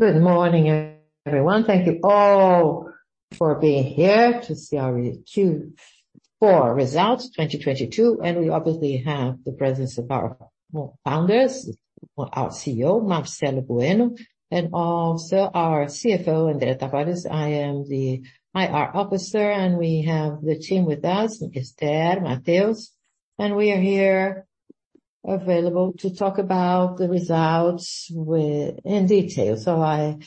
Good morning, everyone. Thank you all for being here to see our Q4 results 2022. We obviously have the presence of our co-founders, our CEO, Marcelo Bueno, and also our CFO, André Tavares. I am the IR officer, and we have the team with us, Esther, Mateus. We are here available to talk about the results in detail. I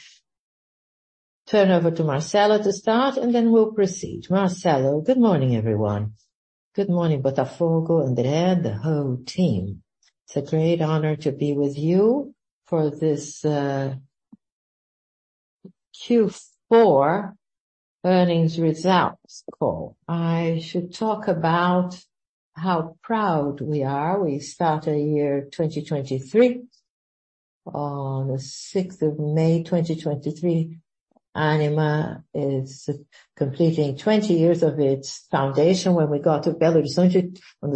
turn over to Marcelo to start, and then we'll proceed. Marcelo. Good morning, everyone. Good morning Botafogo, André, the whole team. It's a great honor to be with you for this Q4 earnings results call. I should talk about how proud we are. We start a year 2023 on the 6th of May 2023. Ânima is completing 20 years of its foundation when we got together. On the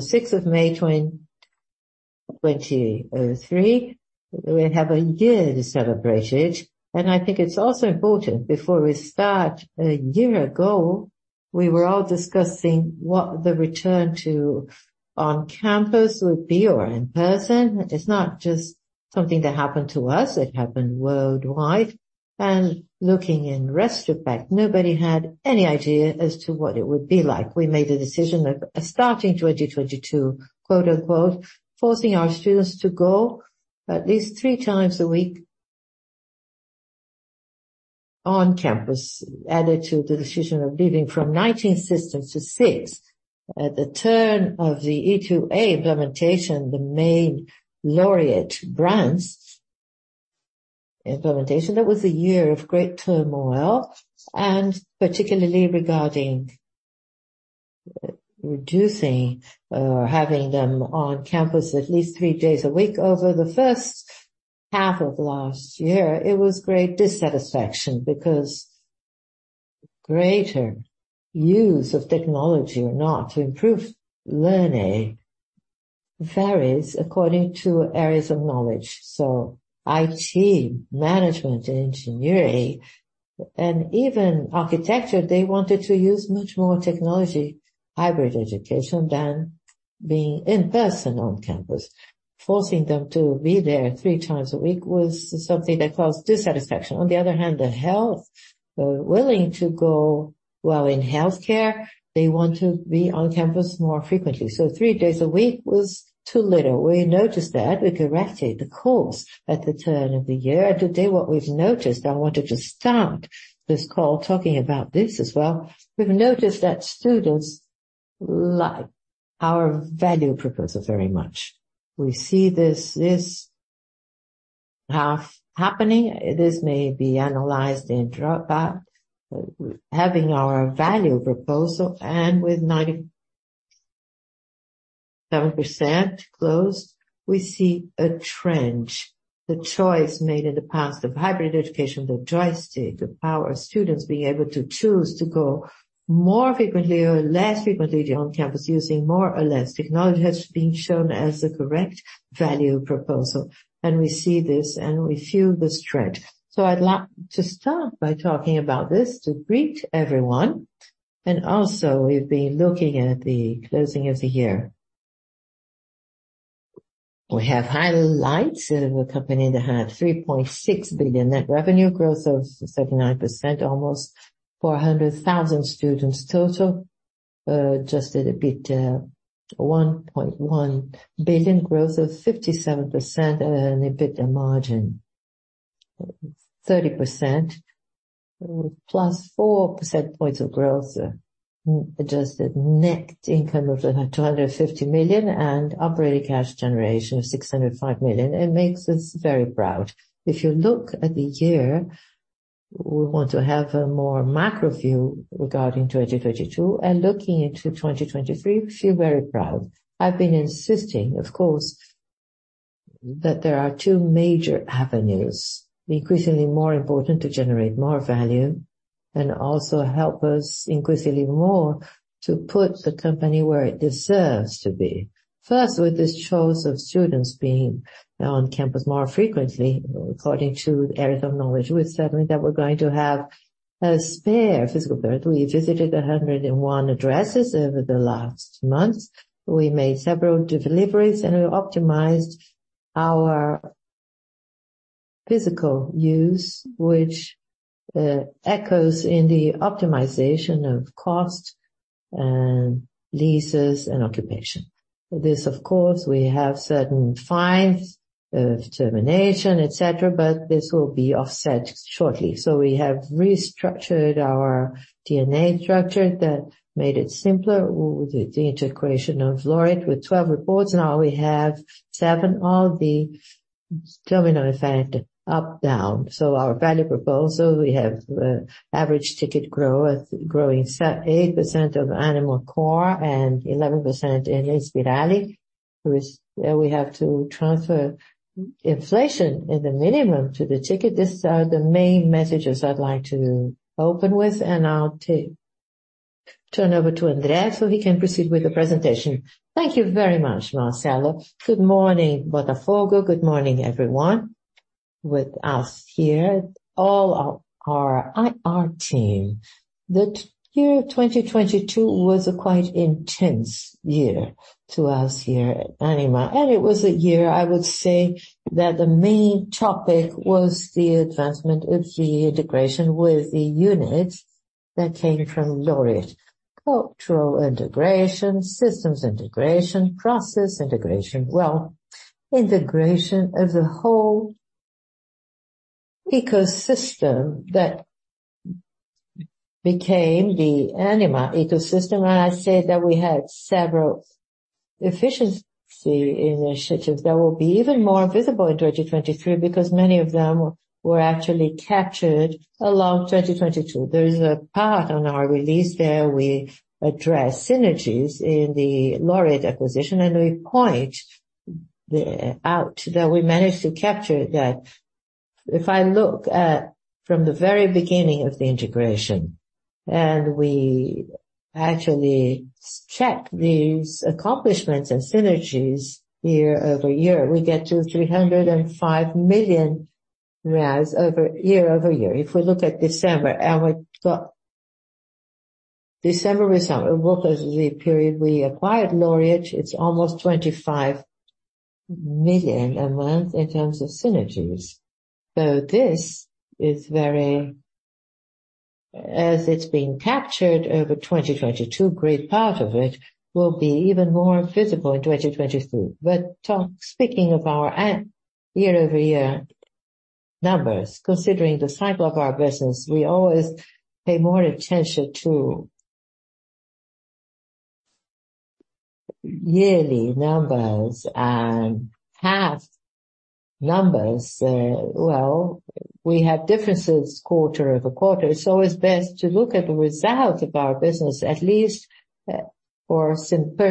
6th of May 2023, we have a year to celebrate it. I think it's also important before we start, a year ago, we were all discussing what the return to on-campus would be or in person. It's not just something that happened to us, it happened worldwide. Looking in retrospect, nobody had any idea as to what it would be like. We made a decision of starting 2022, quote-unquote, "Forcing our students to go at least three times a week on campus." Added to the decision of leaving from 19 systems to six at the turn of the E2A implementation, the main Laureate brands implementation. That was a year of great turmoil, and particularly regarding reducing or having them on campus at least three days a week. Over the first half of last year, it was great dissatisfaction because greater use of technology or not to improve learning varies according to areas of knowledge. IT, management, engineering, and even architecture, they wanted to use much more technology, hybrid education, than being in person on campus. Forcing them to be there three times a week was something that caused dissatisfaction. On the other hand, the health were willing to go. While in healthcare, they want to be on campus more frequently, so three days a week was too little. We noticed that. We corrected the course at the turn of the year. Today what we've noticed, I wanted to start this call talking about this as well. We've noticed that students like our value proposal very much. We see this half happening. This may be analyzed in dropout. Having our value proposal and with 97% closed, we see a trend. The choice made in the past of hybrid education, the joystick of our students being able to choose to go more frequently or less frequently on campus using more or less technology has been shown as the correct value proposal. We see this and we feel the stretch. I'd like to start by talking about this to greet everyone. Also we've been looking at the closing of the year. We have highlights of a company that had 3.6 billion net revenue growth of 39%, almost 400,000 students total. Adjusted EBITDA 1.1 billion growth of 57% and an EBITDA margin 30%+ 4 percentage points of growth. Adjusted net income of 250 million and operating cash generation of 605 million. It makes us very proud. If you look at the year, we want to have a more macro view regarding 2022 and looking into 2023, we feel very proud. I've been insisting, of course, that there are two major avenues, increasingly more important to generate more value and also help us increasingly more to put the company where it deserves to be. First, with this choice of students being on campus more frequently, according to areas of knowledge, we're certain that we're going to have a spare physical building. We visited 101 addresses over the last months. We made several deliveries, and we optimized our physical use, which echoes in the optimization of cost and leases and occupation. This of course, we have certain fines of termination, etc., but this will be offset shortly. We have restructured our DNA structure. That made it simpler with the integration of Laureate with 12 reports. Now we have seven. All the domino effect up, down. Our value proposal, we have average ticket growing 8% of Ânima Core and 11% in Inspirali, which we have to transfer inflation as the minimum to the ticket. These are the main messages I'd like to open with and I'll turn over to André so he can proceed with the presentation. Thank you very much, Marcelo. Good morning, Botafogo. Good morning, everyone. With us here, all our IR team. The year 2022 was a quite intense year to us here at Ânima, and it was a year, I would say that the main topic was the advancement of the integration with the units that came from Laureate. Cultural integration, systems integration, process integration. Integration as a whole ecosystem that became the Ânima ecosystem. I said that we had several efficiency initiatives that will be even more visible in 2023 because many of them were actually captured along 2022. There is a part on our release there we address synergies in the Laureate acquisition, and we point out that we managed to capture that. I look at from the very beginning of the integration, and we actually check these accomplishments and synergies year-over-year, we get to BRL 305 million year-over-year. We look at December and December result, it work as the period we acquired Laureate, it's almost 25 million a month in terms of synergies. This is very... As it's being captured over 2022, great part of it will be even more visible in 2023. Speaking of our year-over-year numbers, considering the cycle of our business, we always pay more attention to yearly numbers and half numbers. Well, we have differences quarter-over-quarter. It's always best to look at the results of our business, at least, per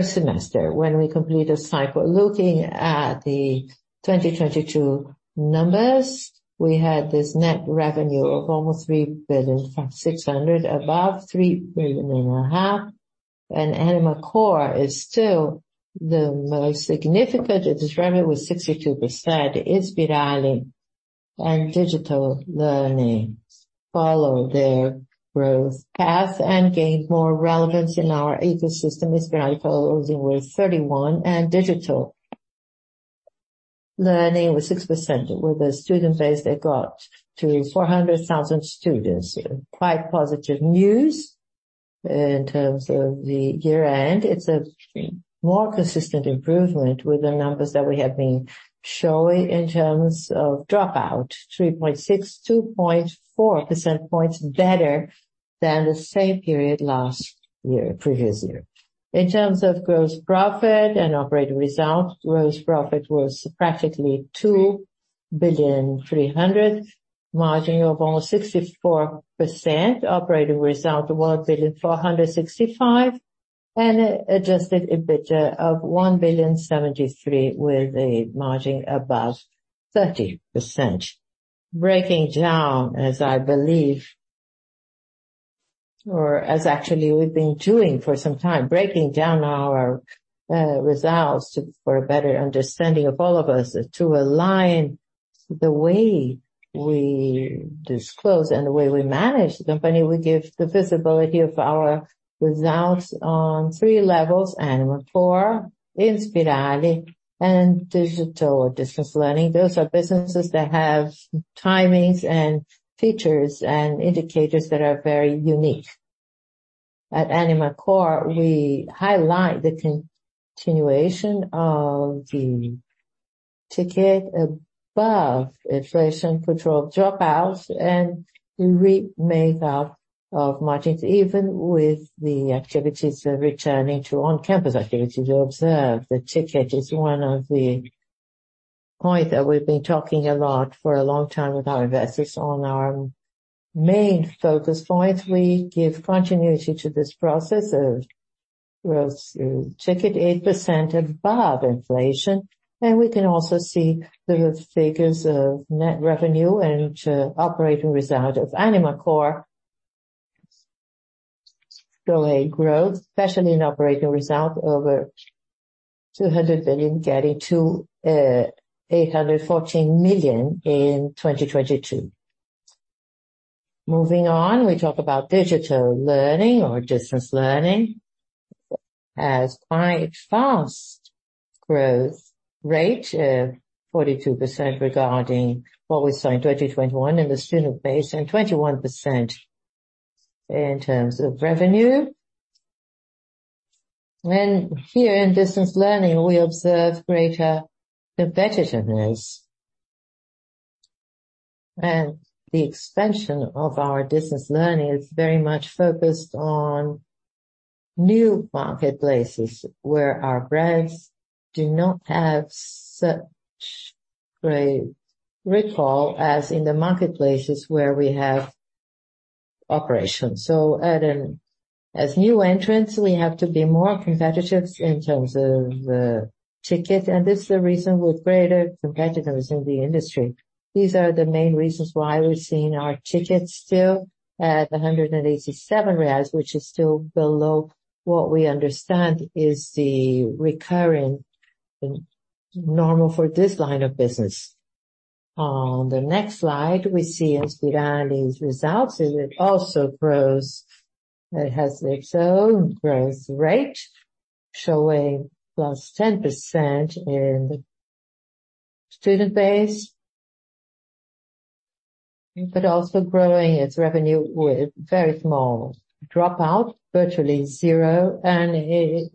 semester when we complete a cycle. Looking at the 2022 numbers, we had this net revenue of almost 3.6 billion, above 3.5 billion. Ânima Core is still the most significant. Its revenue was 62%. Inspirali and digital learning follow their growth path and gained more relevance in our ecosystem. Inspirali closing with 31% and digital learning with 6%, with a student base that got to 400,000 students. Quite positive news in terms of the year-end. It's a more consistent improvement with the numbers that we have been showing in terms of dropout, 3.6, 2.4 percentage points better than the same period previous year. In terms of gross profit and operating results, gross profit was practically 2.3 billion, margin of almost 64%. Operating result, 1.465 billion and Adjusted EBITDA of 1.073 billion with a margin above 30%. Breaking down, as I believe, or as actually we've been doing for some time, breaking down our results for a better understanding of all of us to align the way we disclose and the way we manage the company, we give the visibility of our results on three levels: Ânima Core, Inspirali and digital distance learning. Those are businesses that have timings and features and indicators that are very unique. At Ânima Core, we highlight the continuation of the ticket above inflation control dropouts and remake of margins, even with the activities returning to on-campus activities. We observe the ticket is one of the point that we've been talking a lot for a long time with our investors. On our main focus points, we give continuity to this process of gross ticket 8% above inflation. We can also see the figures of net revenue and operating result of Ânima Core go a growth, especially in operating result over 200 billion, getting to 814 million in 2022. Moving on, we talk about digital learning or distance learning as quite fast growth rate, 42% regarding what we saw in 2021 in the student base and 21% in terms of revenue. Here in distance learning, we observe greater competitiveness. The expansion of our distance learning is very much focused on new marketplaces where our brands do not have such great recall as in the marketplaces where we have operations. As new entrants, we have to be more competitive in terms of the ticket, and this is the reason with greater competitiveness in the industry. These are the main reasons why we're seeing our tickets still at 187 reais, which is still below what we understand is the recurring normal for this line of business. On the next slide, we see Inspirali's results. It also grows. It has its own growth rate showing +10% in student base. Also growing its revenue with very small dropout, virtually zero, and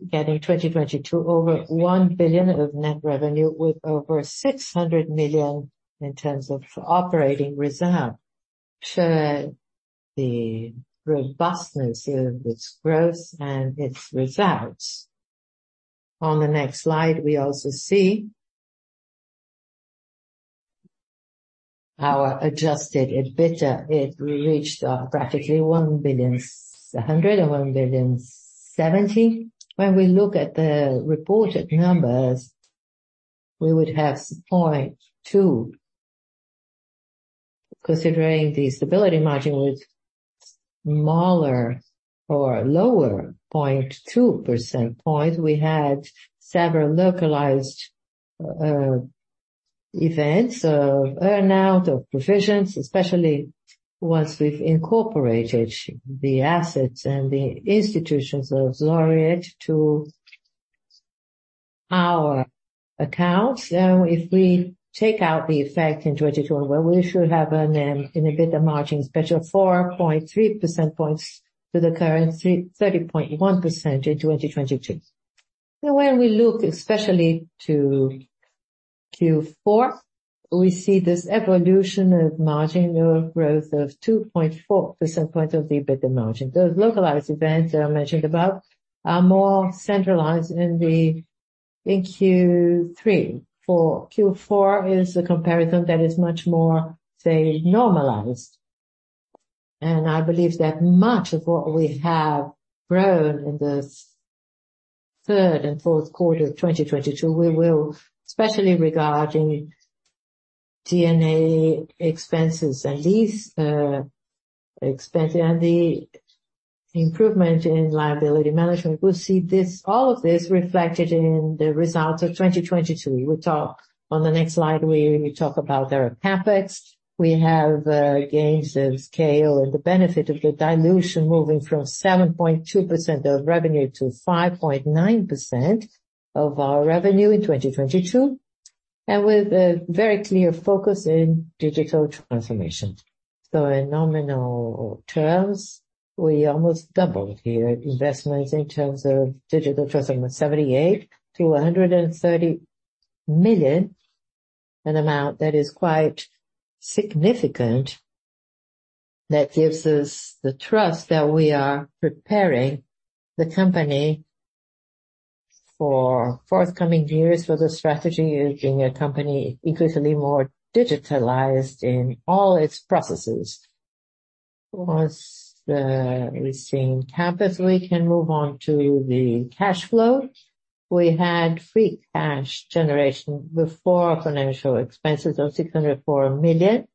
getting 2022 over 1 billion of net revenue, with over 600 million in terms of operating reserve. To the robustness of its growth and its results. On the next slide, we also see our Adjusted EBITDA. It reached practically 1 billion, 101 billion 70. When we look at the reported numbers, we would have 0.2, considering the stability margin was smaller or lower, 0.2 percentage point. We had several localized events of earn-out, of provisions, especially once we've incorporated the assets and the institutions of Laureate to our accounts. If we take out the effect in 2021, well, we should have an EBITDA margin special of 4.3 percentage points to the current 3, 30.1% in 2022. When we look especially to Q4, we see this evolution of margin of growth of 2.4 percentage point of the EBITDA margin. Those localized events that I mentioned above are more centralized in Q3. For Q4 is a comparison that is much more, say, normalized. I believe that much of what we have grown in the third and fourth quarter of 2022, we will, especially regarding DNA expenses and these expenses and the improvement in liability management, we'll see this, all of this reflected in the results of 2022. On the next slide, we talk about our CapEx. We have gains of scale and the benefit of the dilution moving from 7.2% of revenue to 5.9% of our revenue in 2022, and with a very clear focus in digital transformation. In nominal terms, we almost doubled here investments in terms of digital transformation from 78 million to 130 million, an amount that is quite significant. That gives us the trust that we are preparing the company for forthcoming years for the strategy of being a company increasingly more digitalized in all its processes. Once we've seen CapEx, we can move on to the cash flow. We had free cash generation before financial expenses of 604 million,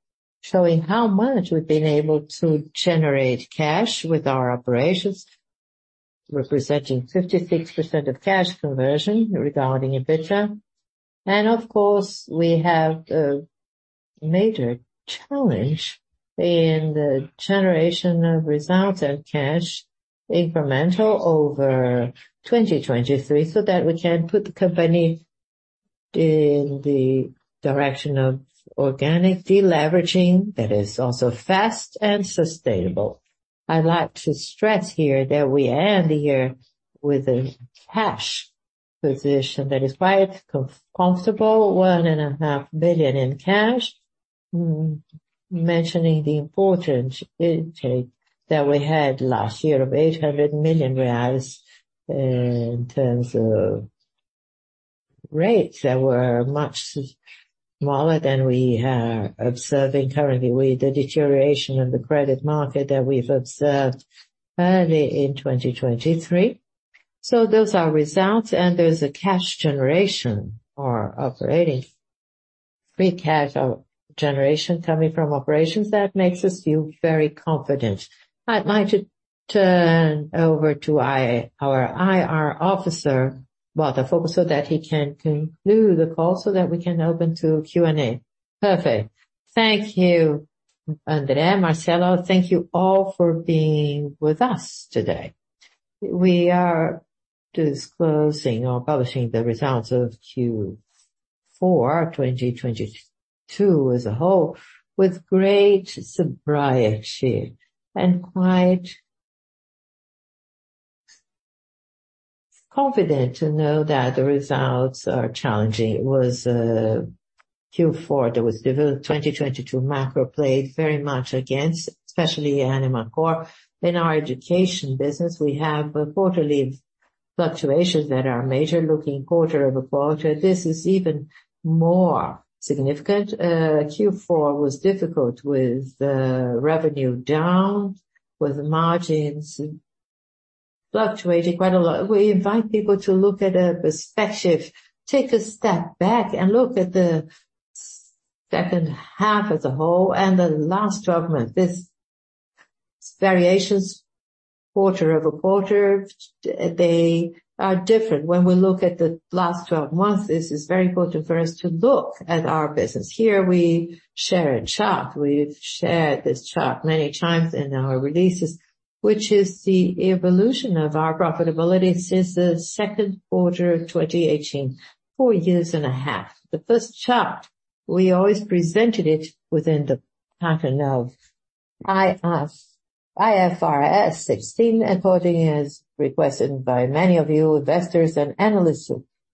showing how much we've been able to generate cash with our operations, representing 56% of cash conversion regarding EBITDA. Of course, we have a major challenge in the generation of results and cash incremental over 2023, so that we can put the company in the direction of organic deleveraging that is also fast and sustainable. I'd like to stress here that we end the year with a cash position that is quite comfortable, 1.5 billion in cash. Mentioning the important intake that we had last year of 800 million reais in terms of rates that were much smaller than we are observing currently with the deterioration of the credit market that we've observed early in 2023. Those are results, and there's a cash generation or operating free cash generation coming from operations that makes us feel very confident. I'd like to turn over to our IR officer, Botafogo, so that he can conclude the call so that we can open to Q&A. Perfect. Thank you, André, Marcelo. Thank you all for being with us today. We are disclosing or publishing the results of Q4 2022 as a whole with great sobriety and quite confident to know that the results are challenging. It was Q4 that was difficult. 2022 macro played very much against, especially Ânima Core. In our education business, we have quarterly fluctuations that are major looking quarter-over-quarter. This is even more significant. Q4 was difficult with the revenue down, with margins fluctuating quite a lot. We invite people to look at a perspective. Take a step back and look at the second half as a whole and the last 12 months. Variations quarter-over-quarter, they are different. When we look at the last 12 months, this is very important for us to look at our business. Here we share a chart. We've shared this chart many times in our releases, which is the evolution of our profitability since the second quarter of 2018, four years and a half. The first chart, we always presented it within the pattern of IFRS 16 reporting, as requested by many of you investors and analysts.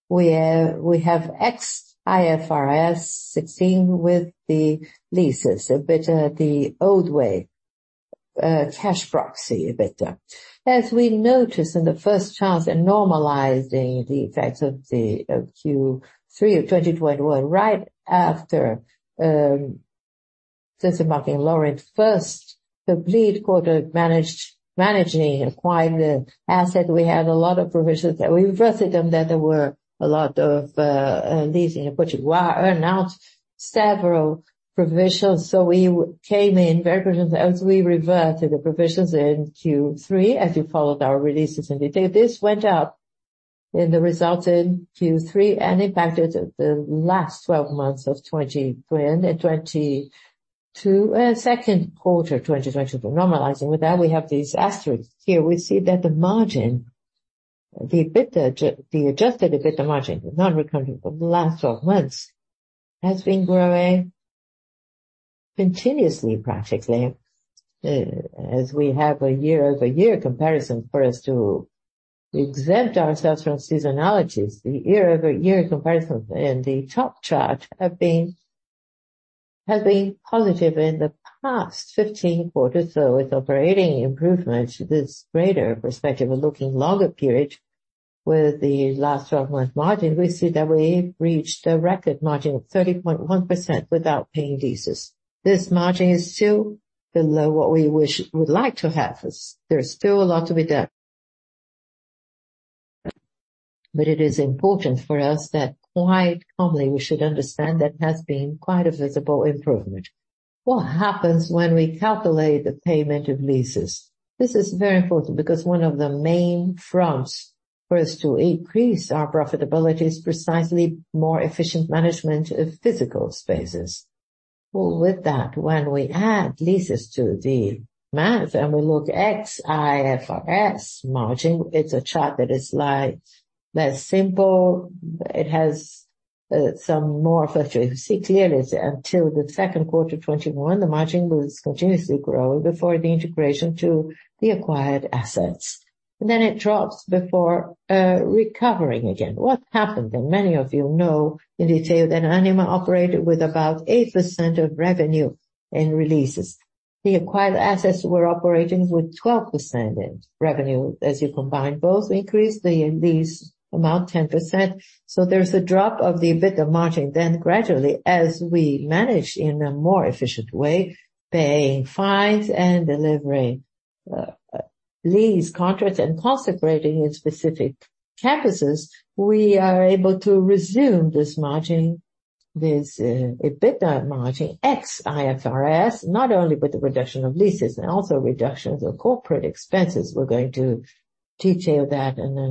We have ex IFRS 16 with the leases, a bit, the old way, cash proxy a bit. As we noticed in the first chance in normalizing the effects of the Q3 of 2021, right after, since the marketing lowered first the bleed quarter managing acquired asset, we had a lot of provisions. We reverted them. There were a lot of leasing which were earn-out several provisions. We came in very quickly as we reverted the provisions in Q3 as you followed our releases. This went up in the result in Q3 and impacted the last 12 months of 2022, second quarter 2022 normalizing. With that, we have these asterisks. Here we see that the margin, the Adjusted EBITDA margin, non-recurring for the last 12 months, has been growing continuously, practically. As we have a year-over-year comparison for us to exempt ourselves from seasonalities. The year-over-year comparison in the top chart has been positive in the past 15 quarters. With operating improvement, this greater perspective of looking longer period with the last 12-month margin, we see that we reached a record margin of 30.1% without paying leases. This margin is still below what we would like to have. There's still a lot to be done. It is important for us that quite calmly, we should understand that has been quite a visible improvement. What happens when we calculate the payment of leases? This is very important because one of the main fronts for us to increase our profitability is precisely more efficient management of physical spaces. With that, when we add leases to the math and we look ex IFRS margin, it's a chart that is like less simple. It has some more filters. You see clearly until the second quarter 21, the margin was continuously growing before the integration to the acquired assets. It drops before recovering again. What happened? Many of you know in detail that Ânima operated with about 8% of revenue in leases. The acquired assets were operating with 12% in revenue. As you combine both, increase the lease amount 10%. There's a drop of the EBITDA margin. Gradually, as we manage in a more efficient way, paying fines and delivering lease contracts and consecrating in specific campuses, we are able to resume this EBITDA margin ex IFRS, not only with the reduction of leases and also reductions of corporate expenses. We're going to detail that in a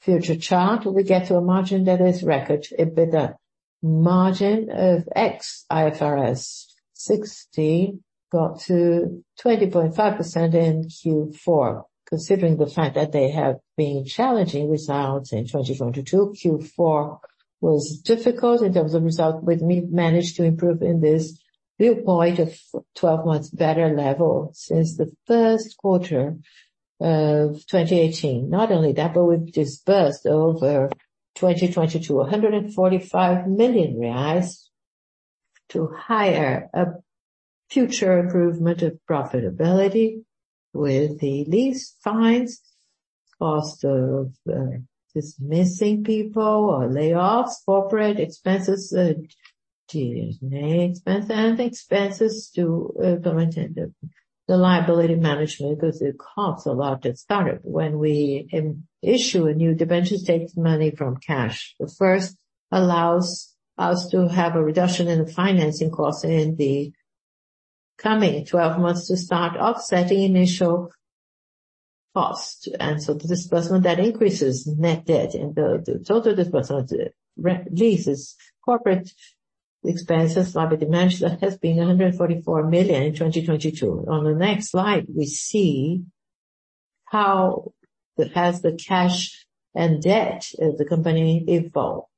future chart. We get to a margin that is record EBITDA margin of ex IFRS 60 got to 20.5% in Q4. Considering the fact that they have been challenging results in 2022, Q4 was difficult in terms of results. We managed to improve in this viewpoint of 12 months better level since the first quarter of 2018. Not only that, we've disbursed over 2020 to 145 million reais to hire a future improvement of profitability with the lease fines, cost of dismissing people or layoffs, corporate expenses, G&A expense, and expenses to implement the liability management, because it costs a lot at startup. When we issue a new debenture, it takes money from cash. The first allows us to have a reduction in the financing cost in the coming 12 months to start offsetting initial cost. The disbursement that increases net debt and the total disbursement, leases, corporate expenses, liability management has been 144 million in 2022. On the next slide, we see how has the cash and debt of the company evolved.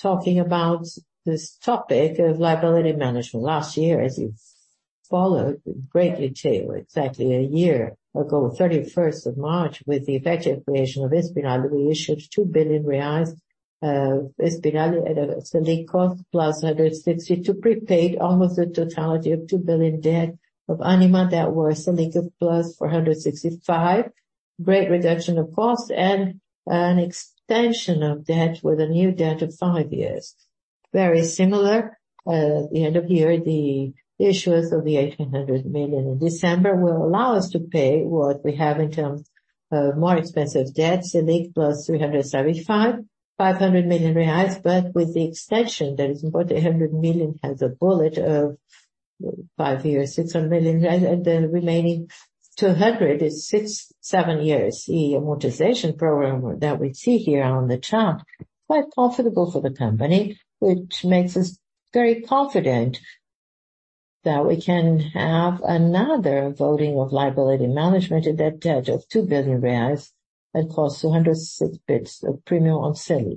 Talking about this topic of liability management. Last year, as you followed greatly too, exactly a year ago, 31st of March, with the effective creation of Inspirali, we issued 2 billion reais of Inspirali at a Selic cost plus 160 to prepaid almost the totality of 2 billion debt of Ânima that were Selic plus 465. Great reduction of cost and an extension of debt with a new debt of five years. Very similar, at the end of the year. The issuance of the 1,800 million in December will allow us to pay what we have in terms more expensive debts, Selic plus 375, 500 million reais. With the extension, that is about 100 million, has a bullet of five years, 600 million reais, and the remaining 200 million is six, seven years. The amortization program that we see here on the chart, quite profitable for the company, which makes us very confident that we can have another voting of liability management of that debt of 2 billion reais. That costs 206 basis points of premium on sale.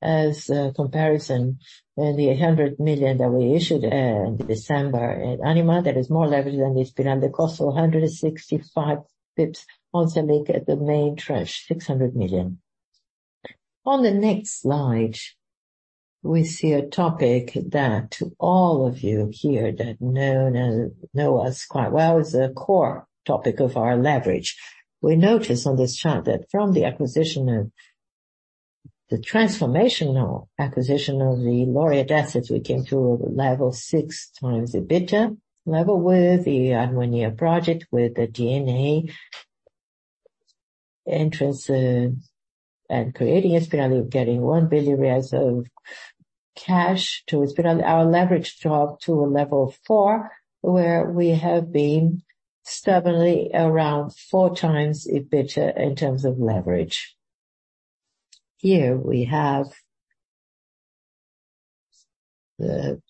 As a comparison, the 100 million that we issued in December at Ânima, that is more leverage than it's been. The cost of 165 basis points also make the main trash 600 million. On the next slide, we see a topic that all of you here that know us quite well, is the core topic of our leverage. We notice on this chart that from the transformational acquisition of the Laureate assets, we came to a level six times the EBITDA. Level with the Inspirali project, with the DNA Capital interest, and creating Inspirali, getting 1 billion reais of cash to Inspirali. Our leverage dropped to a level four, where we have been stubbornly around 4x EBITDA in terms of leverage. Here we have the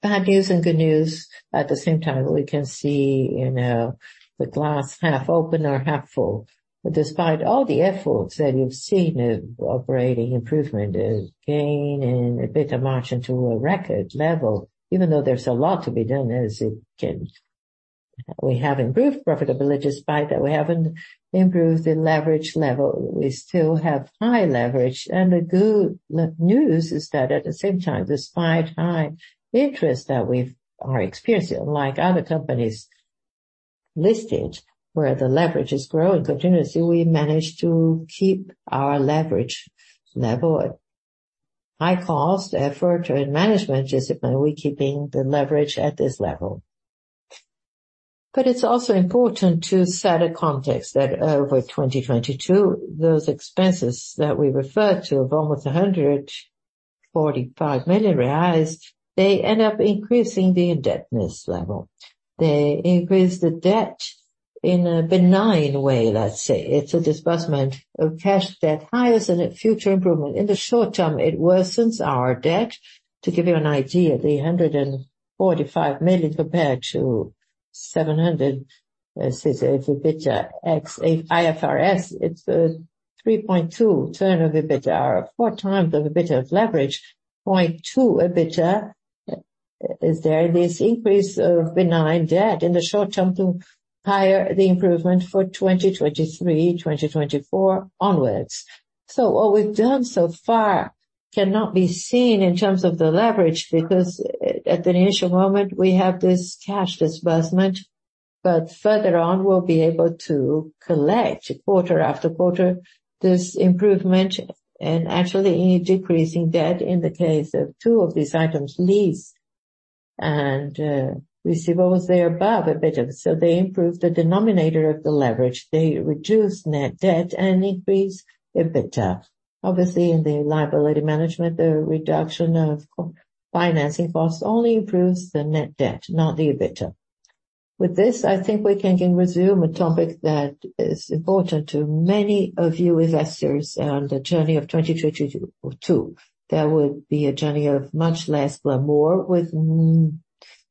bad news and good news at the same time. We can see, you know, the glass half open or half full. Despite all the efforts that you've seen in operating improvement, a gain in EBITDA margin to a record level, even though there's a lot to be done. We have improved profitability. Despite that, we haven't improved the leverage level. We still have high leverage. The good news is that at the same time, despite high interest that we are experiencing, unlike other companies listed, where the leverage is growing continuously, we managed to keep our leverage level. High cost, effort and management discipline, we're keeping the leverage at this level. It's also important to set a context that over 2022, those expenses that we referred to of almost 145 million reais, they end up increasing the indebtedness level. They increase the debt in a benign way, let's say. It's a disbursement of cash debt higher than a future improvement. In the short term, it worsens our debt. To give you an idea, the 145 million compared to 700 million, let's say it's EBITDA ex-IFRS, it's 3.2x EBITDA, or 4x EBITDA of leverage, 0.2 EBITDA is there. This increase of benign debt in the short term to higher the improvement for 2023, 2024 onwards. What we've done so far cannot be seen in terms of the leverage, because at the initial moment we have this cash disbursement. Further on, we'll be able to collect quarter after quarter this improvement and actually in decreasing debt in the case of two of these items, lease and receivables, they're above EBITDA. They improve the denominator of the leverage. They reduce net debt and increase EBITDA. Obviously, in the liability management, the reduction of financing costs only improves the net debt, not the EBITDA. With this, I think we can resume a topic that is important to many of you investors on the journey of 2022. There will be a journey of much less glamour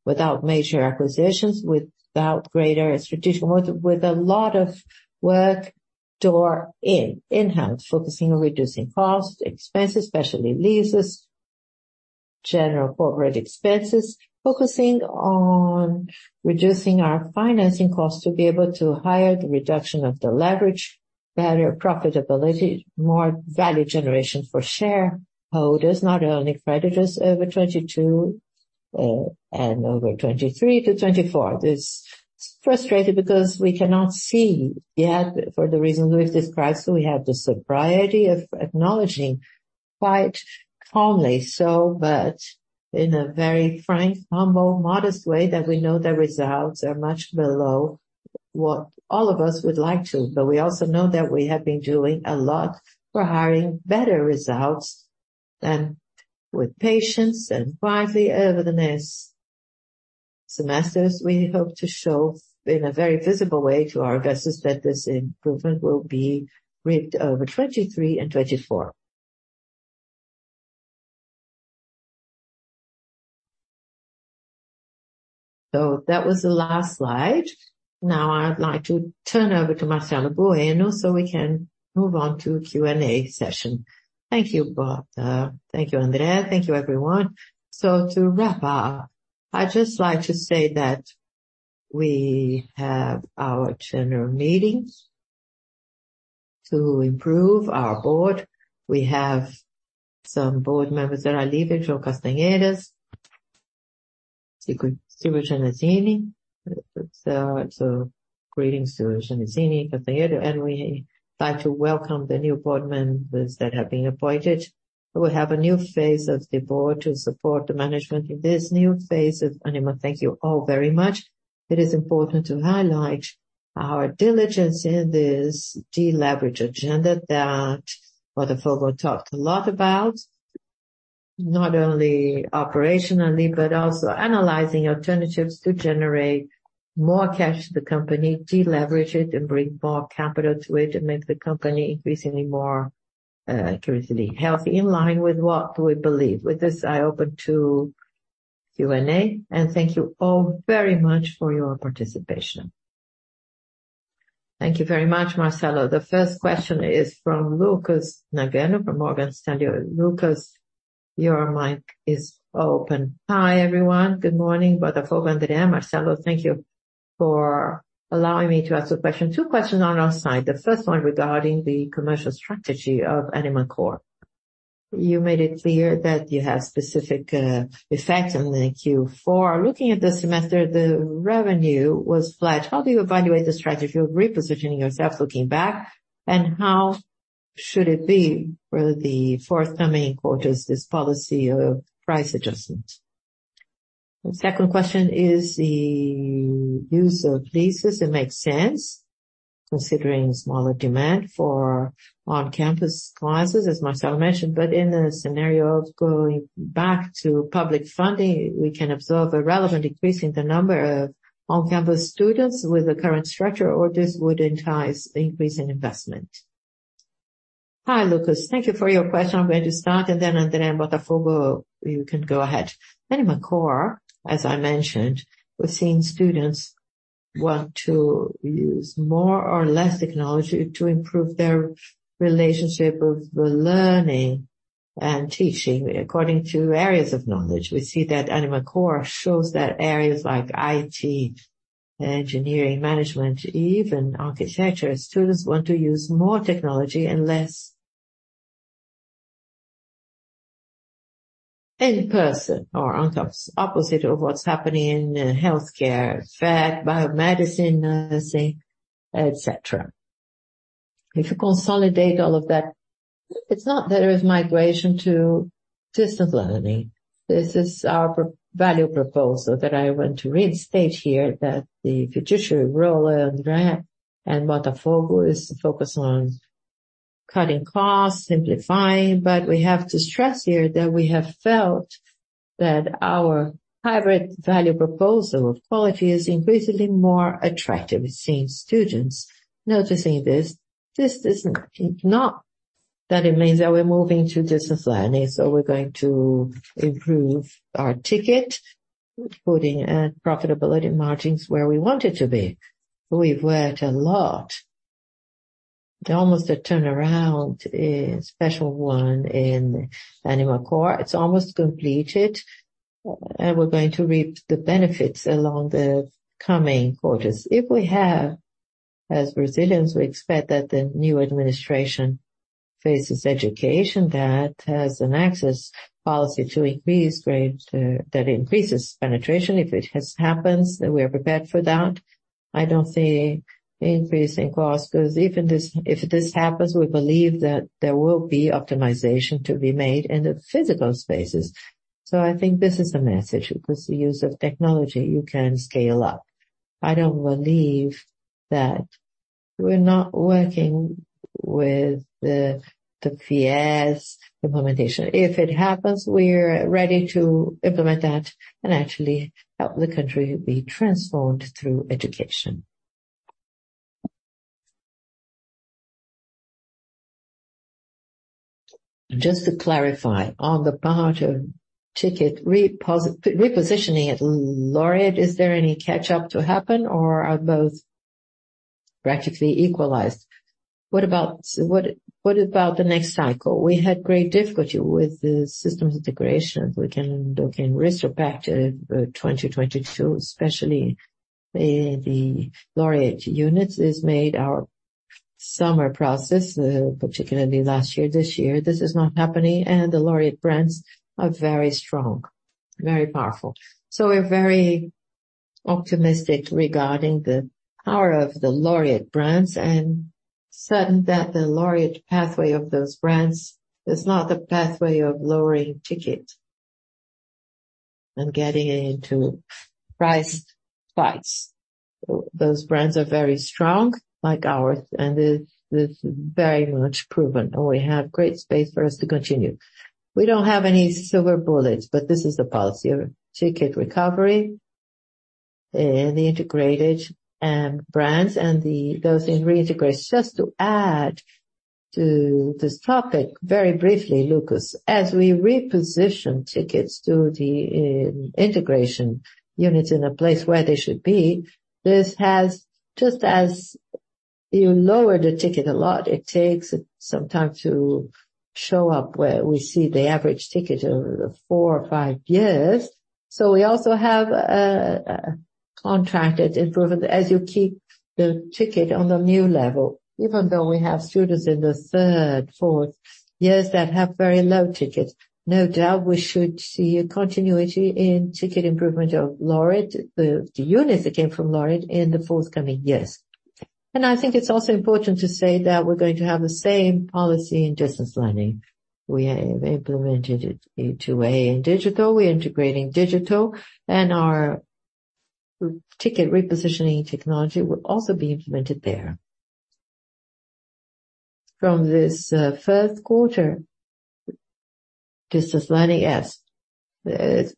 without major acquisitions, without greater strategic growth, with a lot of work door in-house, focusing on reducing costs, expenses, especially leases, general corporate expenses, focusing on reducing our financing costs to be able to higher the reduction of the leverage, better profitability, more value generation for shareholders, not only creditors over 2022 and over 2023 to 2024. This frustrating because we cannot see yet for the reasons we've described. We have the sobriety of acknowledging quite calmly so, but in a very frank, humble, modest way, that we know the results are much below what all of us would like to. We also know that we have been doing a lot. We're hiring better results. With patience and wisely over the next semesters, we hope to show in a very visible way to our investors that this improvement will be reaped over 2023 and 2024. That was the last slide. Now I'd like to turn over to Marcelo Bueno. We can move on to Q&A session. Thank you both. Thank you, André. Thank you, everyone. To wrap up, I'd just like to say that we have our general meetings to improve our board. We have some board members that are leaving, João Castanheira, Silvio Genesini. Greetings, Silvio Genesini, Castanheira. We like to welcome the new board members that have been appointed. We have a new phase of the board to support the management. In this new phase of Ânima, thank you all very much. It is important to highlight our diligence in this deleverage agenda that Botafogo talked a lot about, not only operationally, but also analyzing alternatives to generate more cash to the company, deleverage it, and bring more capital to it, and make the company increasingly more truthfully healthy, in line with what we believe. With this, I open to Q&A, thank you all very much for your participation. Thank you very much, Marcelo. The first question is from Lucas Nogueira from Morgan Stanley. Lucas, your mic is open. Hi, everyone. Good morning. Botafogo, André, Marcelo, thank you for allowing me to ask a question. Two questions on our side. The first one regarding the commercial strategy of Ânima Core. You made it clear that you have specific effect on the Q4. Looking at the semester, the revenue was flat. How do you evaluate the strategy of repositioning yourself looking back, and how should it be for the forthcoming quarters, this policy of price adjustments? The second question is the use of leases. It makes sense considering smaller demand for on-campus classes, as Marcelo mentioned. In a scenario of going back to public funding, we can observe a relevant decrease in the number of on-campus students with the current structure, or this would entice increase in investment? Hi, Lucas. Thank you for your question. I'm going to start and then, André and Botafogo, you can go ahead. Ânima Core, as I mentioned, we're seeing students want to use more or less technology to improve their relationship with the learning and teaching according to areas of knowledge. We see that Ânima Core shows that areas like IT, engineering, management, even architecture, students want to use more technology and less in person or on campus. Opposite of what's happening in healthcare, vet, biomedicine, nursing, et cetera. If you consolidate all of that, it's not that it is migration to distance learning. This is our value proposal that I want to reinstate here, that the fiduciary role, André and Marcelo Bueno, is to focus on cutting costs, simplifying. We have to stress here that we have felt that our hybrid value proposal of quality is increasingly more attractive. We're seeing students noticing this. This is not that it means that we're moving to distance learning. We're going to improve our ticket, putting profitability margins where we want it to be. We've worked a lot. Almost a turnaround, a special one in Ânima Core. It's almost completed, and we're going to reap the benefits along the coming quarters. If we have, as Brazilians, we expect that the new administration faces education that has an access policy to increase grade, that increases penetration. If it happens, we are prepared for that. I don't see increase in cost, 'cause even if this happens, we believe that there will be optimization to be made in the physical spaces. I think this is a message, because the use of technology, you can scale up. I don't believe that we're not working with the PS implementation. If it happens, we're ready to implement that and actually help the country be transformed through education. Just to clarify, on the part of ticket repositioning at Laureate, is there any catch up to happen or are both practically equalized? What about the next cycle? We had great difficulty with the systems integration. We can look in retrospect at 2022, especially the Laureate units. This made our summer process particularly last year. This year, this is not happening. The Laureate brands are very strong, very powerful. We're very optimistic regarding the power of the Laureate brands and certain that the Laureate pathway of those brands is not the pathway of lowering ticket and getting into price fights. Those brands are very strong, like ours, and it's very much proven. We have great space for us to continue. We don't have any silver bullets. This is the policy of ticket recovery in the integrated brands and those in reintegration. Just to add to this topic very briefly, Lucas, as we reposition tickets to the integration units in a place where they should be, just as you lower the ticket a lot, it takes some time to show up where we see the average ticket over the four or five years. We also have a contracted improvement as you keep the ticket on the new level, even though we have students in the third, fourth years that have very low tickets. No doubt we should see a continuity in ticket improvement of Laureate, the units that came from Laureate in the forthcoming years. I think it's also important to say that we're going to have the same policy in distance learning. We have implemented it E2A in digital. Our ticket repositioning technology will also be implemented there. From this, first quarter, distance learning, yes. It's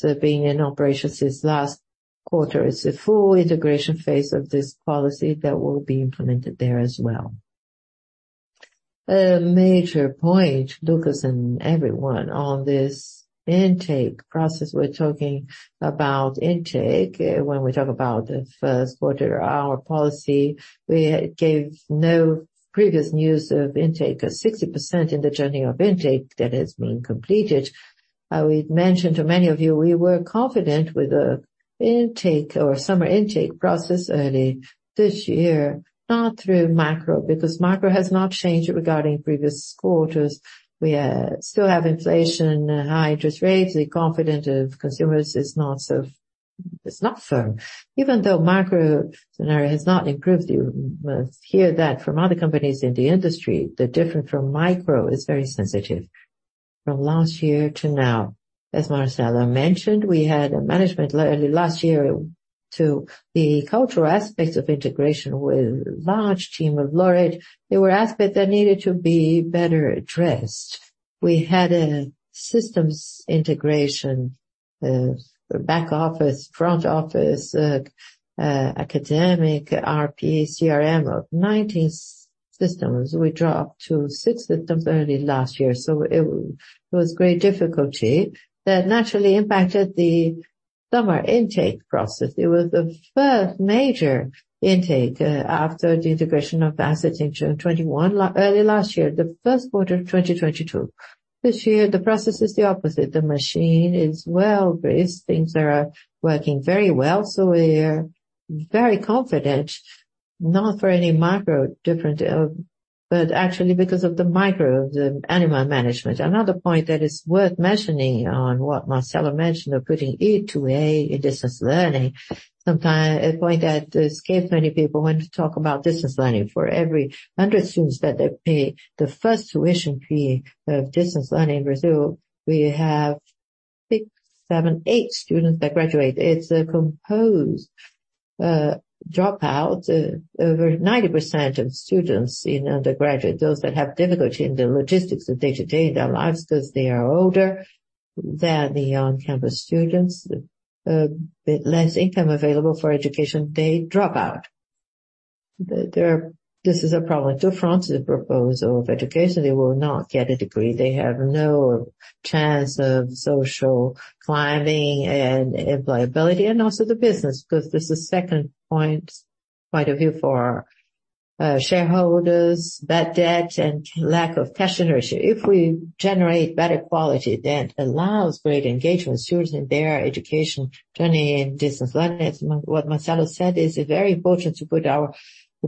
been in operation since last quarter. It's a full integration phase of this policy that will be implemented there as well. A major point, Lucas and everyone, on this intake process, we're talking about intake. When we talk about the first quarter, our policy, we gave no previous news of intake at 60% in the journey of intake that is being completed. We've mentioned to many of you we were confident with the intake or summer intake process early this year, not through macro, because macro has not changed regarding previous quarters. We still have inflation, high interest rates. The confidence of consumers is not firm. Macro scenario has not improved, you must hear that from other companies in the industry, the different from micro is very sensitive from last year to now. As Marcelo mentioned, we had a management early last year to the cultural aspects of integration with large team of Laureate. There were aspects that needed to be better addressed. We had a systems integration, back office, front office, academic, RP, CRM of 19 systems. We dropped to six systems early last year, it was great difficulty that naturally impacted the summer intake process. It was the first major intake after the integration of Asset in June 2021. Early last year, the first quarter of 2022. This year, the process is the opposite. The machine is well-greased. Things are working very well. We're very confident, not for any macro different, but actually because of the micro of the Ânima management. Another point that is worth mentioning on what Marcelo mentioned of putting E2A in distance learning. Sometimes a point that escapes many people want to talk about distance learning. For every 100 students that pay the first tuition fee of distance learning in Brazil, we have six, seven, eight students that graduate. It's a composed dropout. Over 90% of students in undergraduate, those that have difficulty in the logistics of day-to-day in their lives 'cause they are older than the on-campus students, bit less income available for education, they drop out. There, this is a problem to France's proposal of education. They will not get a degree. They have no chance of social climbing and employability and also the business, because this is second point of view for shareholders, bad debt, and lack of cash generation. We generate better quality, that allows great engagement students in their education journey in distance learning. As what Marcelo said, is very important to put our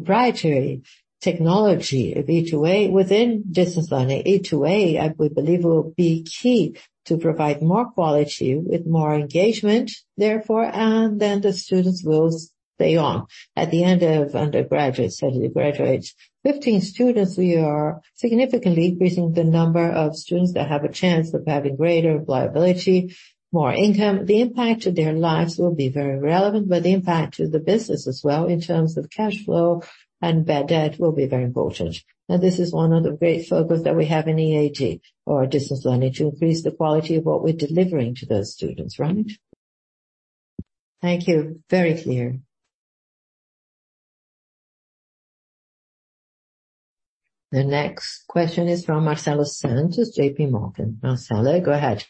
proprietary technology of E2A within distance learning. E2A, I believe, will be key to provide more quality with more engagement, therefore, the students will stay on. At the end of undergraduate, certainly graduates. 15 students, we are significantly increasing the number of students that have a chance of having greater liability, more income. The impact to their lives will be very relevant, the impact to the business as well in terms of cash flow and bad debt will be very important. This is one of the great focus that we have in EAD or distance learning, to increase the quality of what we're delivering to those students. Right? Thank you. Very clear. The next question is from Marcelo Santos, JPMorgan. Marcelo, go ahead.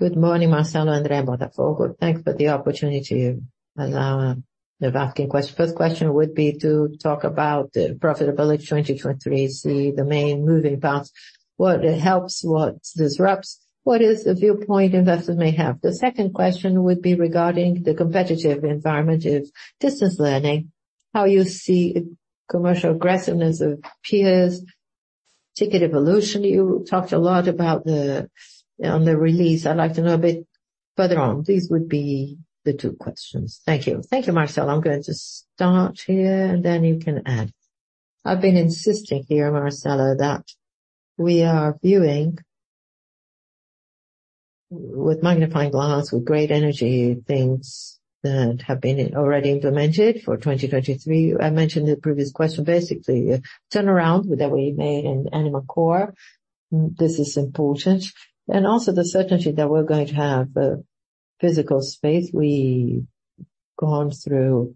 Good morning, Marcelo and André and Botafogo. Thanks for the opportunity of asking questions. First question would be to talk about the profitability 2023. See the main moving parts, what helps, what disrupts, what is the viewpoint investors may have. The second question would be regarding the competitive environment of distance learning, how you see commercial aggressiveness of peers, ticket evolution. You talked a lot about on the release. I'd like to know a bit further on. These would be the two questions. Thank you. Thank you, Marcelo. I'm going to start here, you can add. I've been insisting here, Marcelo, that we are viewing with magnifying glass, with great energy, things that have been already implemented for 2023. I mentioned the previous question, basically turnaround that we made in Ânima Core. This is important. Also the certainty that we're going to have a physical space. We've gone through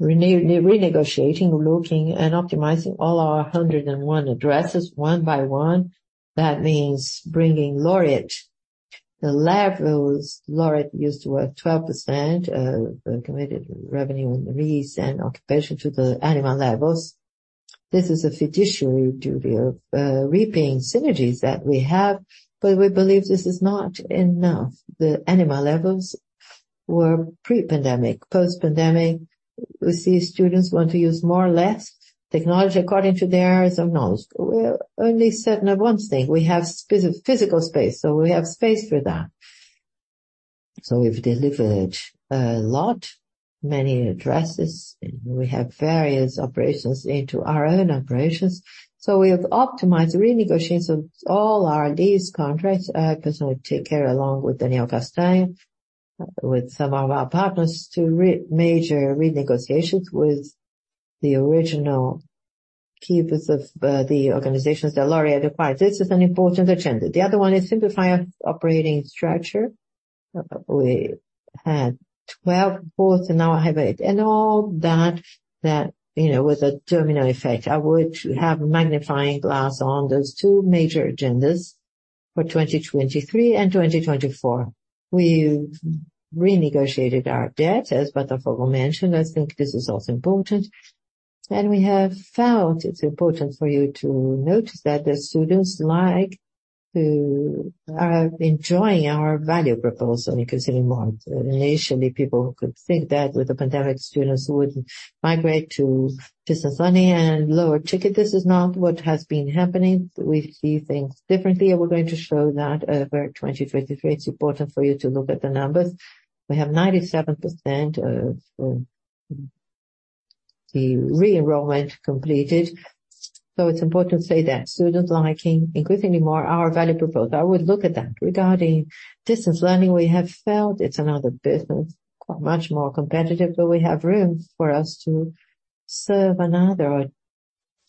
renegotiating, looking, and optimizing all our 101 addresses one by one. That means bringing Laureate. The levels Laureate used to work 12% of committed revenue on the lease and occupation to the Ânima levels. This is a fiduciary duty of reaping synergies that we have, we believe this is not enough. The Ânima levels were pre-pandemic. Post-pandemic, we see students want to use more or less technology according to their areas of knowledge. We're only certain of one thing. We have physical space. We have space for that. We've delivered a lot, many addresses, and we have various operations into our own operations. We have optimized, renegotiated all R&D's contracts, personally take care along with Daniel Castanho, with some of our partners to major renegotiations with the original keepers of the organizations, the Laureate acquired. This is an important agenda. The other one is simplify operating structure. We had 12 boards and now have eight. All that, you know, with a terminal effect. I would have magnifying glass on those two major agendas for 2023 and 2024. We've renegotiated our debt, as Botafogo mentioned. I think this is also important. We have found it's important for you to notice that the students are enjoying our value proposal increasingly more. Initially, people could think that with the pandemic, students would migrate to distance learning and lower ticket. This is not what has been happening. We see things differently, and we're going to show that over 2023. It's important for you to look at the numbers. We have 97% of the re-enrollment completed. It's important to say that students liking increasingly more our value proposal. I would look at that. Regarding distance learning, we have felt it's another business, much more competitive, but we have room for us to serve another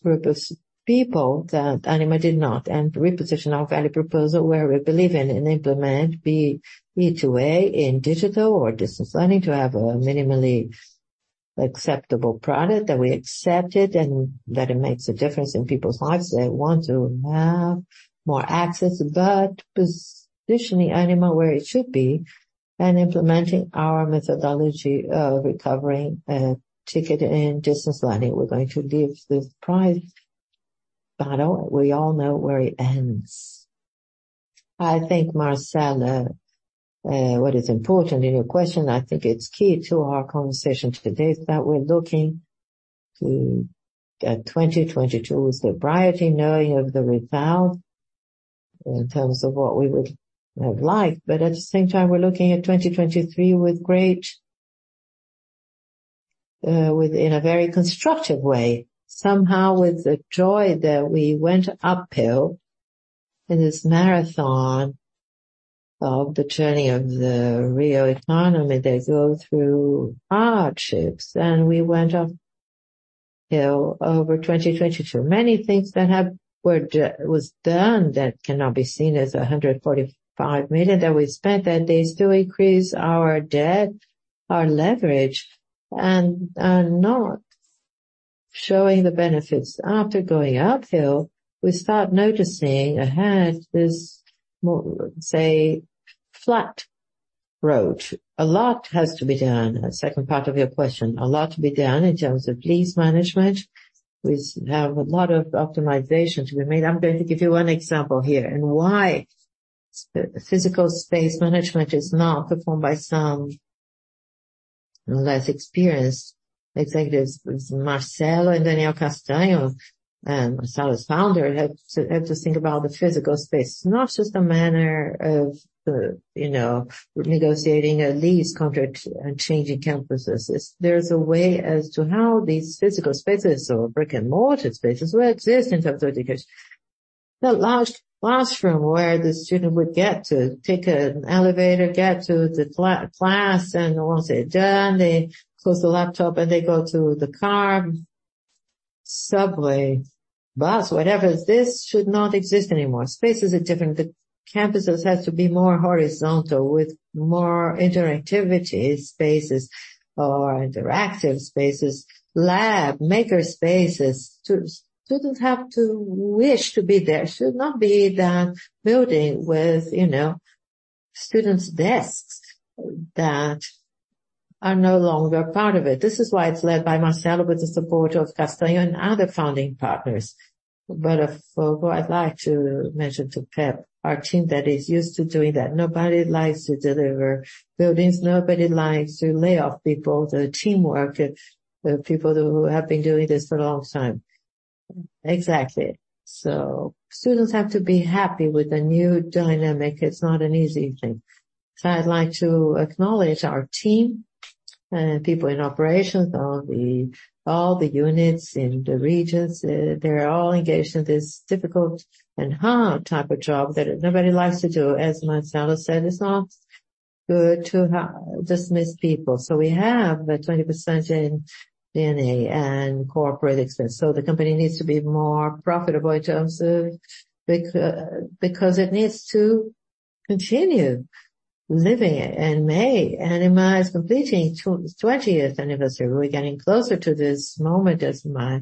group of people that Ânima did not, and reposition our value proposal where we believe in and implement be it a way in digital or distance learning to have a minimally acceptable product that we accepted and that it makes a difference in people's lives. They want to have more access. Positioning Ânima where it should be and implementing our methodology of recovering ticket and distance learning. We're going to give the price battle. We all know where it ends. I think, Marcelo, what is important in your question, I think it's key to our conversation today is that we're looking to get 2022's sobriety knowing of the result in terms of what we would have liked. At the same time, we're looking at 2023 with great, in a very constructive way, somehow with the joy that we went uphill in this marathon of the journey of the real economy that goes through hardships. We went uphill over 2022. Many things that was done that cannot be seen as 145 million that we spent, and they still increase our debt, our leverage, and are not showing the benefits. After going uphill, we start noticing ahead this more, say, flat road. A lot has to be done. A second part of your question. A lot to be done in terms of lease management. We have a lot of optimizations we made. I'm going to give you one example here, and why physical space management is now performed by some less experienced executives. Marcelo and Daniel Castanho, and Marcelo's founder, have to think about the physical space. Not just a manner of, you know, renegotiating a lease contract and changing campuses. There's a way as to how these physical spaces or brick-and-mortar spaces will exist in terms of education. The large classroom where the student would get to take an elevator, get to the class, and once they're done, they close the laptop, and they go to the car, subway, bus, whatever. This should not exist anymore. Spaces are different. The campuses has to be more horizontal with more interactivity spaces or interactive spaces, lab, maker spaces. Students have to wish to be there. It should not be that building with, you know, students' desks that are no longer part of it. This is why it's led by Marcelo with the support of Castanho and other founding partners. For who I'd like to mention to Pep, our team that is used to doing that. Nobody likes to deliver buildings. Nobody likes to lay off people. The teamwork of people who have been doing this for a long time. Exactly. Students have to be happy with the new dynamic. It's not an easy thing. I'd like to acknowledge our team and people in operations, all the units in the regions. They're all engaged in this difficult and hard type of job that nobody likes to do. As Marcelo said, it's not good to dismiss people. We have a 20% in D&A and corporate expense. The company needs to be more profitable in terms of because it needs to continue living. May, Ânima is completing 20th anniversary. We're getting closer to this moment, as my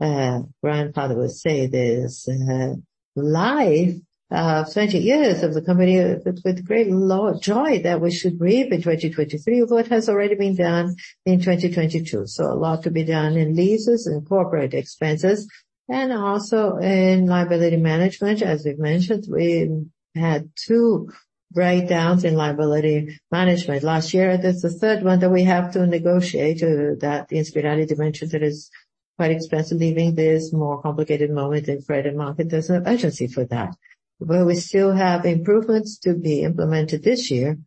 grandfather would say, this life of 20 years of the company with great joy that we should reap in 2023 of what has already been done in 2022. A lot to be done in leases and corporate expenses, and also in liability management. As we've mentioned, we had two breakdowns in liability management last year. There's a third one that we have to negotiate, that Inspirali dimensions that is quite expensive, leaving this more complicated moment in credit market. There's no urgency for that. We still have improvements to be implemented this year,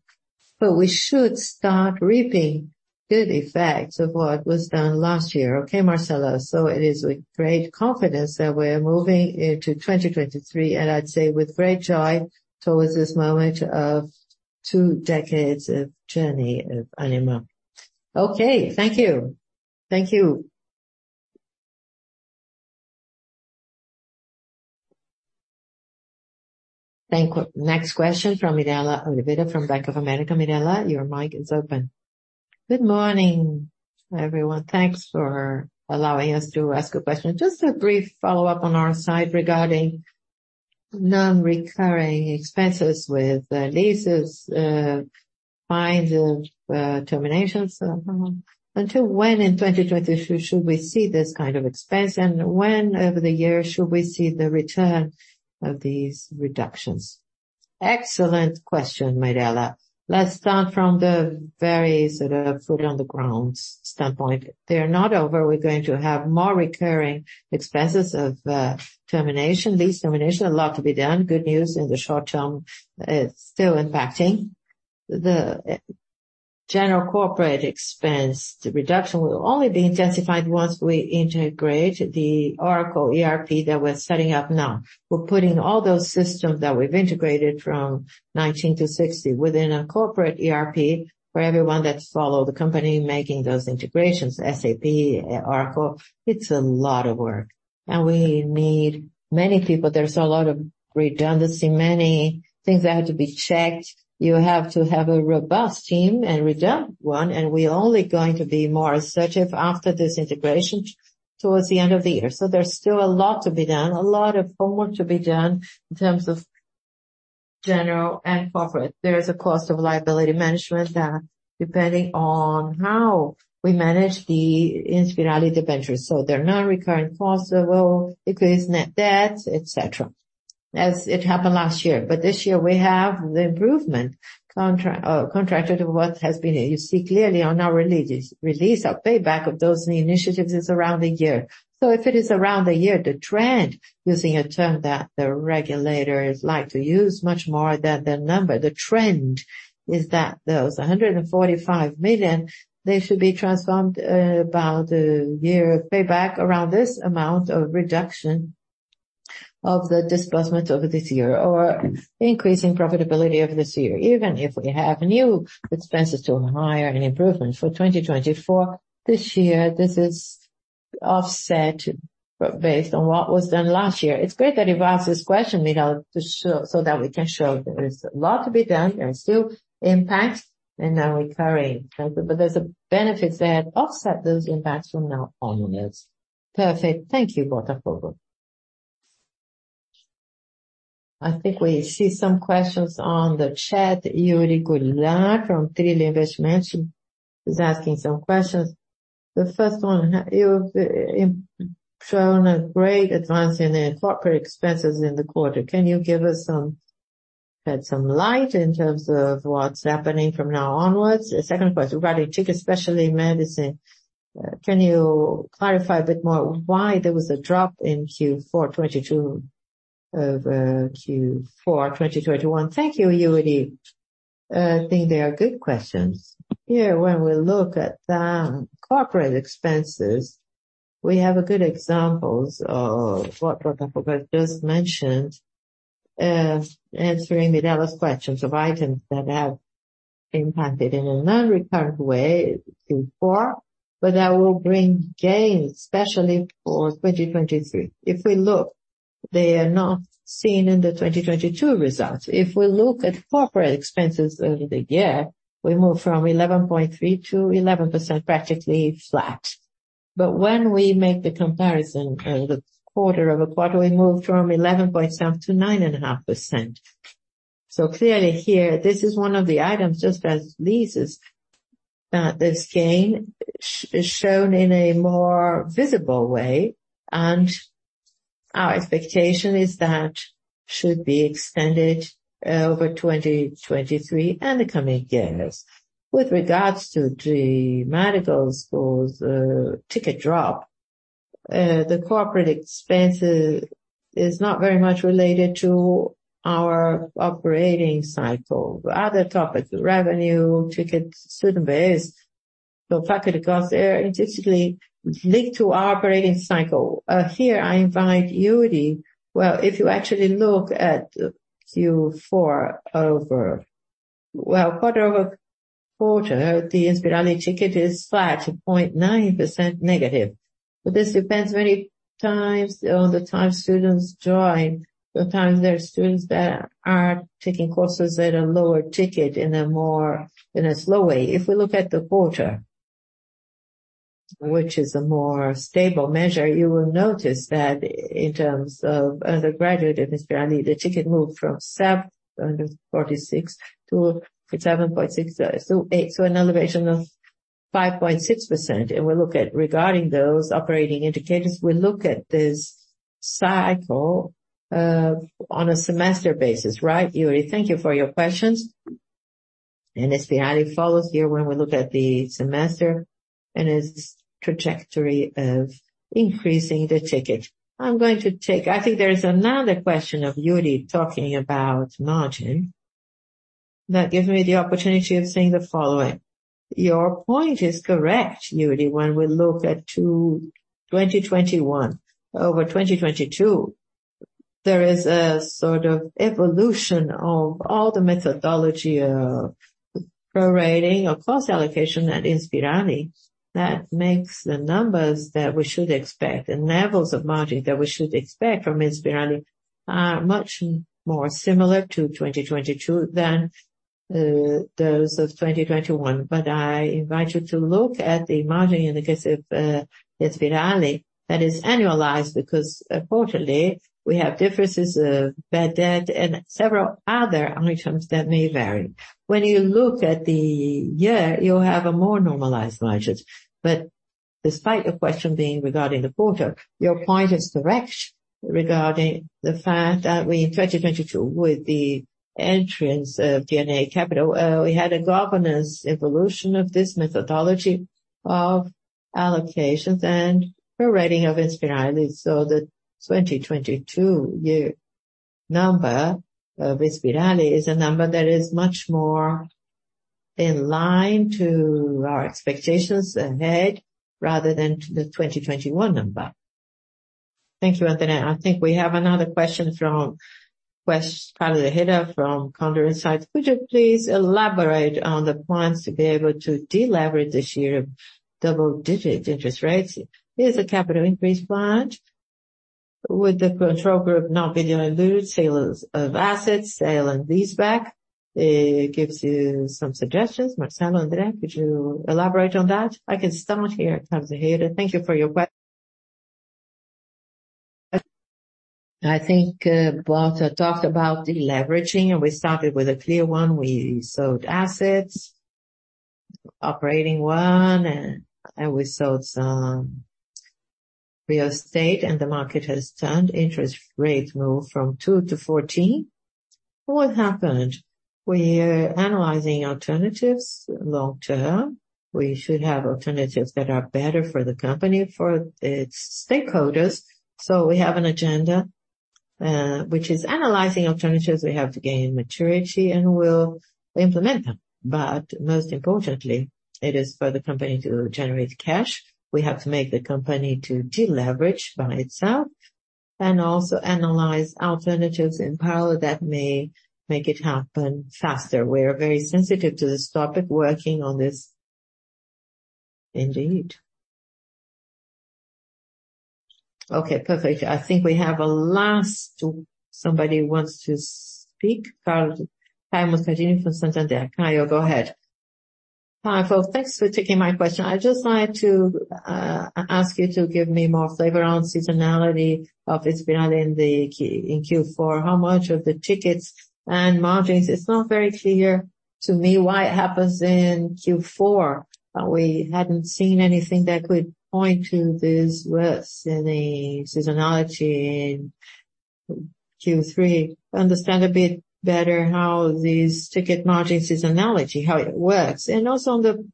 but we should start reaping good effects of what was done last year. Okay, Marcelo. It is with great confidence that we're moving into 2023, and I'd say with great joy towards this moment of two decades of journey of Ânima. Okay, thank you. Thank you. Next question from Mirela Oliveira from Bank of America. Mirela, your mic is open. Good morning, everyone. Thanks for allowing us to ask a question. Just a brief follow-up on our side regarding non-recurring expenses with leases, fines and terminations. Until when in 2023 should we see this kind of expense, and when over the year should we see the return of these reductions? Excellent question, Mirela. Let's start from the very sort of foot on the grounds standpoint. They're not over. We're going to have more recurring expenses of termination, lease termination. A lot to be done. Good news in the short term, it's still impacting. The general corporate expense reduction will only be intensified once we integrate the Oracle ERP that we're setting up now. We're putting all those systems that we've integrated from 19 to 60 within a corporate ERP for everyone that follow the company making those integrations, SAP, Oracle. It's a lot of work, and we need many people. There's a lot of redundancy, many things that have to be checked. You have to have a robust team and redundant one, and we're only going to be more assertive after this integration towards the end of the year. There's still a lot to be done, a lot of homework to be done in terms of general and corporate. There is a cost of liability management that depending on how we manage the Inspirali debentures, so they're non-recurring costs that will increase net debts, et cetera, as it happened last year. This year we have the improvement contract contracted to what has been. You see clearly on our release of payback of those new initiatives is around the year. If it is around the year, the trend, using a term that the regulators like to use much more than the number, the trend is that those 145 million, they should be transformed about a year of payback around this amount of reduction of the disbursement over this year or increase in profitability over this year. Even if we have new expenses to hire and improvements for 2024, this year, this is offset based on what was done last year. It is great that you have asked this question, Mirela, so that we can show there is a lot to be done. There are still impacts and non-recurring, but there are benefits that offset those impacts from now onwards. Perfect. Thank you, Botafogo. I think we see some questions on the chat. Yuri Goulart from Trio Capital is asking some questions. The first one, you've shown a great advance in the corporate expenses in the quarter. Can you give us, shed some light in terms of what's happening from now onwards? Second question, regarding ticket, especially medicine, can you clarify a bit more why there was a drop in Q4 2022 over Q4 2021. Thank you, Yuri. I think they are good questions. Here, when we look at corporate expenses, we have a good examples of what Botafogo just mentioned, answering Mirela's questions of items that have impacted in a non-recurring way in Q4, but that will bring gains, especially for 2023. If we look, they are not seen in the 2022 results. If we look at corporate expenses over the year, we move from 11.3%-11%, practically flat. When we make the comparison of the quarter-over-quarter, we move from 11.7%-9.5%. Clearly here, this is one of the items, just as leases, this gain is shown in a more visible way, and our expectation is that should be extended over 2023 and the coming years. With regards to the medical school's ticket drop, the corporate expense is not very much related to our operating cycle. Other topics, revenue, tickets, student base, so faculty costs, they are intrinsically linked to our operating cycle. Here I invite Yuri. Well, if you actually look at quarter-over-quarter, the Inspirali ticket is flat, 0.9% negative. This depends many times on the time students join. Sometimes there are students that are taking courses at a lower ticket in a more, in a slow way. If we look at the quarter, which is a more stable measure, you will notice that in terms of undergraduate Inspirali, the ticket moved from 746 to 7.6, so 8, so an elevation of 5.6%. We look at regarding those operating indicators, we look at this cycle on a semester basis, right, Yuri? Thank you for your questions. Inspirali follows here when we look at the semester and its trajectory of increasing the ticket. I think there's another question of Yuri talking about margin. That gives me the opportunity of saying the following: Your point is correct, Yuri. We look at 2021 over 2022, there is a sort of evolution of all the methodology of prorating or cost allocation at Inspirali that makes the numbers that we should expect and levels of margin that we should expect from Inspirali are much more similar to 2022 than those of 2021. I invite you to look at the margin in the case of Inspirali that is annualized because quarterly we have differences of bad debt and several other items that may vary. When you look at the year, you'll have a more normalized margins. Despite your question being regarding the quarter, your point is correct regarding the fact that we in 2022, with the entrance of DNA Capital, we had a governance evolution of this methodology of allocations and prorating of Inspirali. The 2022 year number of Inspirali is a number that is much more in line to our expectations ahead rather than to the 2021 number. Thank you, André. I think we have another question from Carlo De Hedda from Counter Insights. Could you please elaborate on the plans to be able to deleverage this year of double-digit interest rates? Is a capital increase planned? Would the control group not being diluted, sales of assets, sale and leaseback? It gives you some suggestions. Marcelo, André, could you elaborate on that? I can start here, Carlo De Hedda. Thank you for your question. I think Both are talked about deleveraging, and we started with a clear one. We sold assets, operating one, and we sold some real estate, and the market has turned. Interest rates moved from 2 to 14. What happened? We're analyzing alternatives long term. We should have alternatives that are better for the company, for its stakeholders. We have an agenda, which is analyzing alternatives. We have to gain maturity, and we'll implement them. Most importantly, it is for the company to generate cash. We have to make the company to deleverage by itself and also analyze alternatives in parallel that may make it happen faster. We are very sensitive to this topic, working on this indeed. Okay, perfect. I think we have somebody wants to speak. Caio Moscardini from Santander. Caio, go ahead. Hi, folks. Thanks for taking my question. I just wanted to ask you to give me more flavor on seasonality of Inspirali in Q4. It's not very clear to me why it happens in Q4. We hadn't seen anything that could point to this worse in a seasonality in Q3. Understand a bit better how these ticket margin seasonality, how it works. Also on the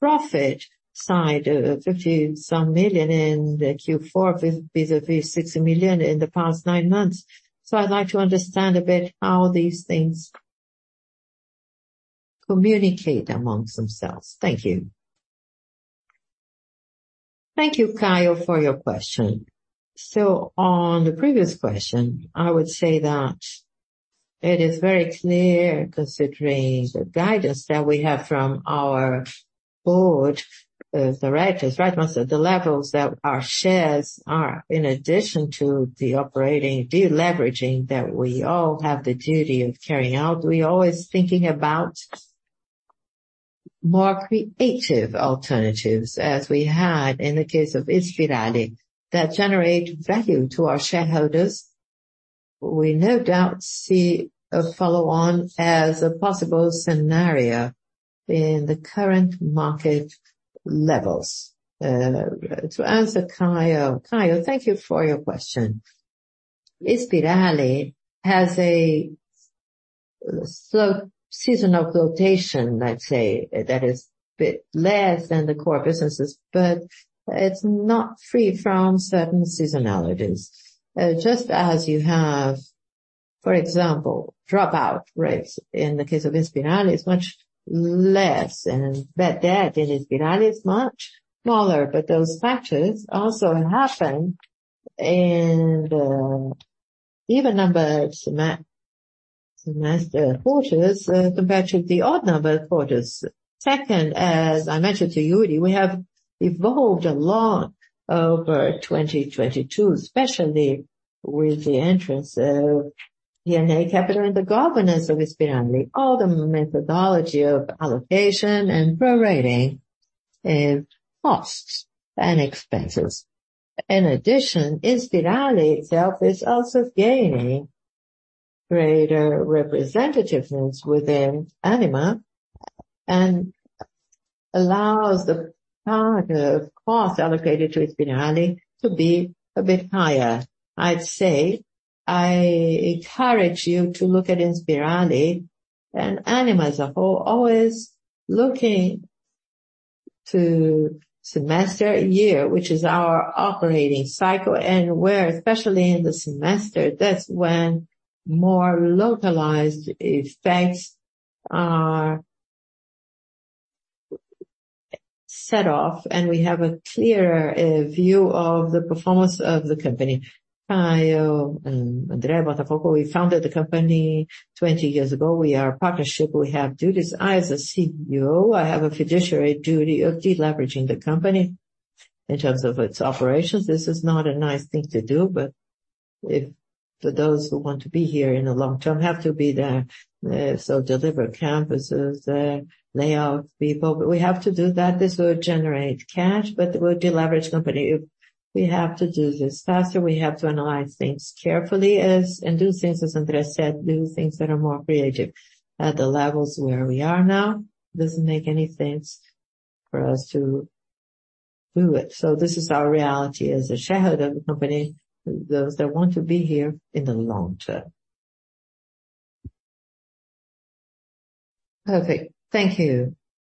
profit side, 50 some million in the Q4 vis-a-vis 60 million in the past nine months. I'd like to understand a bit how these things communicate amongst themselves. Thank you. Thank you, Caio, for your question. On the previous question, I would say that it is very clear considering the guidance that we have from our board, the directors, right, Marcelo? The levels that our shares are in addition to the operating deleveraging that we all have the duty of carrying out. We're always thinking about more creative alternatives, as we had in the case of Inspirali, that generate value to our shareholders. We no doubt see a follow-on as a possible scenario in the current market levels. To answer Caio. Caio, thank you for your question. Inspirali has a slow seasonal flotation, let's say, that is a bit less than the core businesses, but it's not free from certain seasonalities. Just as you have, for example, dropout rates in the case of Inspirali is much less and bad debt in Inspirali is much smaller. Those factors also happen in the even numbered semester quarters compared to the odd numbered quarters. Second, as I mentioned to Yuri, we have evolved a lot over 2022, especially with the entrance of DNA Capital and the governance of Inspirali. All the methodology of allocation and prorating in costs and expenses. In addition, Inspirali itself is also gaining greater representativeness within Ânima and allows the part of cost allocated to Inspirali to be a bit higher. I'd say I encourage you to look at Inspirali and Ânima as a whole, always looking to semester, year, which is our operating cycle, and where, especially in the semester, that's when more localized effects are set off and we have a clearer view of the performance of the company. Caio and André Botafogo, we founded the company 20 years ago. We are a partnership. We have duties. I, as a CEO, I have a fiduciary duty of deleveraging the company in terms of its operations. This is not a nice thing to do, but for those who want to be here in the long term have to be there. Deliver campuses, lay off people. We have to do that. This will generate cash. It will deleverage company. If we have to do this faster, we have to analyze things carefully and do things, as André said, do things that are more creative. At the levels where we are now, it doesn't make any sense for us to do it. This is our reality as a shareholder of the company, those that want to be here in the long term. Perfect. Thank you.